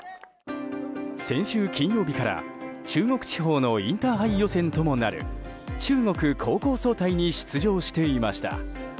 先週金曜日から、中国地方のインターハイ予選ともなる中国高校総体に出場していました。